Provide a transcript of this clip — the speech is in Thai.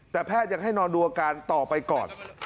แต่แพทย์ยังให้นอนดูอาการต่อไปก่อน